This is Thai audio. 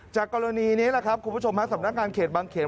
จากกรณีนี้คุณผู้ชมสำนักงานเขตบางเขต